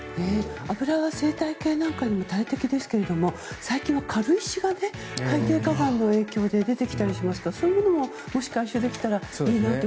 油が生態系なんかにも大敵ですけど最近は、軽石が海底火山の影響で出てきたりしてますけどそういうものももしかしてできたらいいなと。